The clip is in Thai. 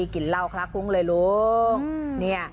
กินเหล้าคลักลุ้งเลยลูก